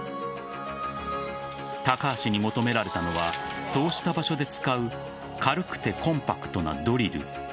高橋に求められたのはそうした場所で使う軽くてコンパクトなドリル。